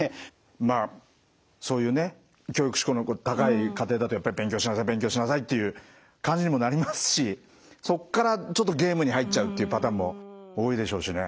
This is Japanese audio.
まあそういうね教育指向の高い家庭だとやっぱり勉強しなさい勉強しなさいっていう感じにもなりますしそっからちょっとゲームに入っちゃうっていうパターンも多いでしょうしね。